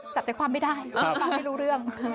จับใจความไม่ได้ฟังไม่รู้เรื่อง